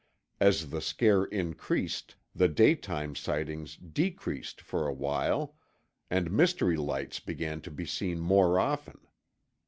As the scare increased, the daytime sightings decreased for a while, and mystery lights began to be seen more often.